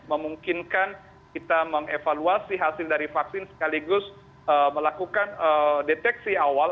memungkinkan kita mengevaluasi hasil dari vaksin sekaligus melakukan deteksi awal